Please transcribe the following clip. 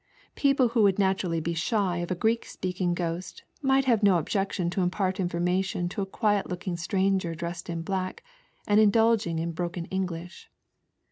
People who would naturally be shy of a Greek speaking ghost, might have no objection to impart information to a qui«t looking strauger dressed in black, and indulging in broken English.